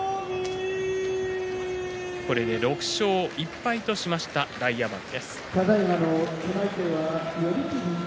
これで６勝１敗としました大奄美。